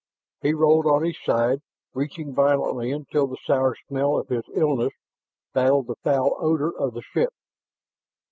He rolled on his side, retching violently until the sour smell of his illness battled the foul odor of the ship.